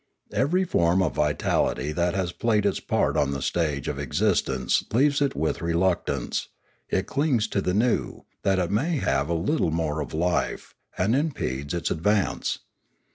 Every form of vitality that has played its part on the stage of existence leaves it with reluctance; it clings to the new, that it may have a little more of life, and impedes its advance.